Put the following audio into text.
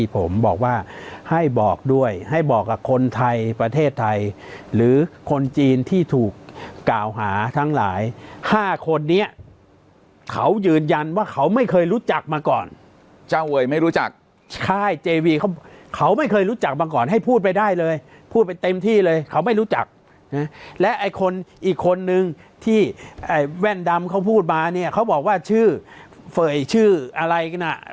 ผมบอกว่าให้บอกด้วยให้บอกกับคนไทยประเทศไทยหรือคนจีนที่ถูกกล่าวหาทั้งหลายห้าคนนี้เขายืนยันว่าเขาไม่เคยรู้จักมาก่อนเจ้าเวยไม่รู้จักค่ายเจวีเขาเขาไม่เคยรู้จักมาก่อนให้พูดไปได้เลยพูดไปเต็มที่เลยเขาไม่รู้จักนะและไอ้คนอีกคนนึงที่ไอ้แว่นดำเขาพูดมาเนี่ยเขาบอกว่าชื่อเฟย์ชื่ออะไรกันน่ะ